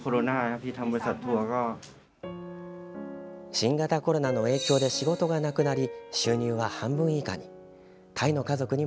新型コロナの影響で仕事がなくなり収入は半分以下に。